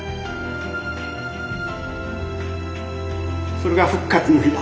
それが「復活の日」だ！